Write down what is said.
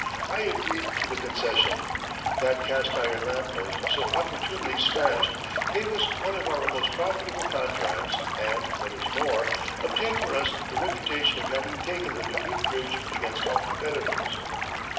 I agreed to the concession. That cast iron lamp post so opportunely smashed gave us one of our most profitable contracts and, what is more, obtained for us the reputation of having taken the Dubuque bridge against all competitors.